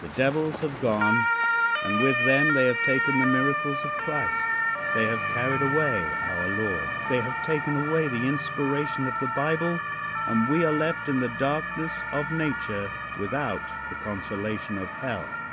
The devils have gone, and with them they have taken the miracles of Christ. They have carried away our Lord. They have taken away the inspiration of the Bible, and we are left in the darkness of nature without the consolation of hell.